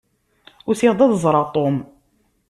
Usiɣ-d ad ẓṛeɣ Tom.